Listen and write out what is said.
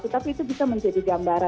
tapi itu bisa menjadi gambar